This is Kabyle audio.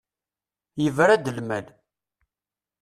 Yebra-d lmal.